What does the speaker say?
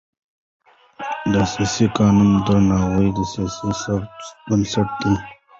د اساسي قانون درناوی د سیاسي ثبات بنسټ دی